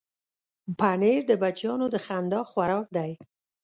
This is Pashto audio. پنېر د بچیانو د خندا خوراک دی.